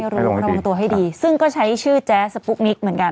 ระวังตัวให้ดีซึ่งก็ใช้ชื่อแจ๊สสปุ๊กนิกเหมือนกัน